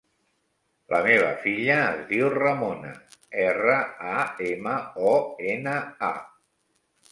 La meva filla es diu Ramona: erra, a, ema, o, ena, a.